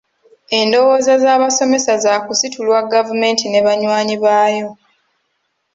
Endowooza z'abasomesa zaakusitulwa gavumenti ne banywanyi baayo.